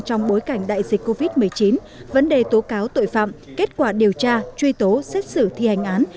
trong bối cảnh đại dịch covid một mươi chín vấn đề tố cáo tội phạm kết quả điều tra truy tố xét xử thi hành án